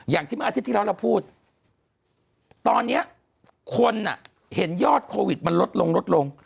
อย่างที่เมื่ออาทิตย์ที่แล้วเราพูดตอนนี้คนเห็นยอดโควิดมันลดลงลดลง